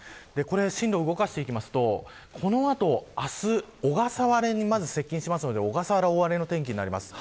進路を動かしていくとこの後、小笠原にまず接近するので小笠原大荒れの天気になります。